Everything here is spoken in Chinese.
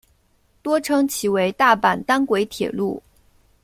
多称其为大阪单轨铁路。